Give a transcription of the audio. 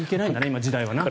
今の時代は。